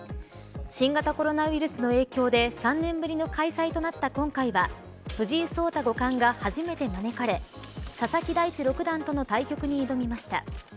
新型コロナウイルスの影響で３年ぶりの開催となった今回は藤井聡太五冠が初めて招かれ佐々木大地六段との対局に挑みました。